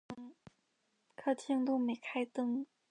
客厅都没开灯